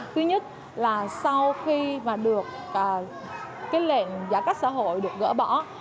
thứ nhất là sau khi lệnh giả cách xã hội được gỡ bỏ